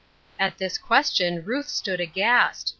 " At this question Ruth stood aghast.